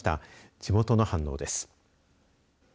地元の反応です。